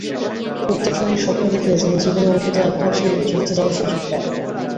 প্রত্যেক সৈনিক স্বপ্ন দেখে যেন জীবনে অন্তত একবার সে যুদ্ধে যাওয়ার সুযোগ পায়।